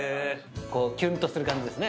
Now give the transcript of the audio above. キュンとする感じですね。